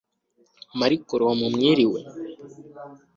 malcolm mwiriwe